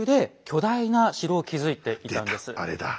あれだ。